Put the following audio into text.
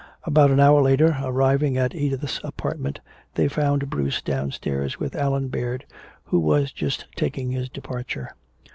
About an hour later, arriving at Edith's apartment, they found Bruce downstairs with Allan Baird who was just taking his departure.